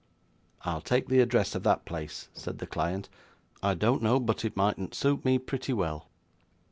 'I'll take the address of that place,' said the client; 'I don't know but what it mightn't suit me pretty well.